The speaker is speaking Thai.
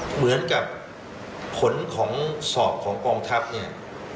เหมือนกับผลของสอบของกองทัพเนี่ย